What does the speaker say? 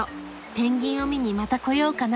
ペンギンを見にまた来ようかな。